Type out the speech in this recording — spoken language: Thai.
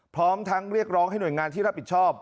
พร้อมทั้งเรียกร้องให้หน่วยงานที่รับผิดชอบ